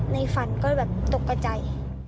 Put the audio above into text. ในฝันก็ตกกระใจ